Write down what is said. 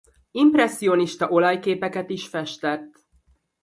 Impresszionista olajképeket is festett.